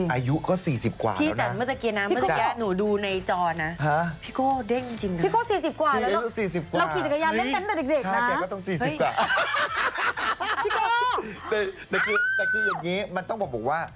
อายุก็๔๐กว่าแล้วนะ